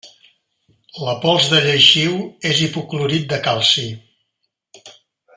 La pols de lleixiu és hipoclorit de calci.